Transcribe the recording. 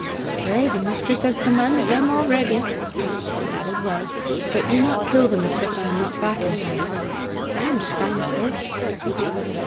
"Sir, the mistress has commanded them already." "That is well; but do not kill them except I am not back in time." "I understand, sir."